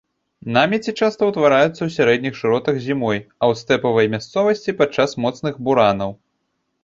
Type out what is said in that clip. Намеці часта ўтвараюцца ў сярэдніх шыротах зімой, а ў стэпавай мясцовасці падчас моцных буранаў.